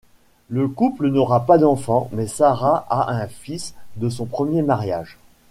Le couple n'aura pas d'enfant, mais Sarah a un fils de son premier mariage.